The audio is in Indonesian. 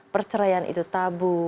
perceraian itu tabu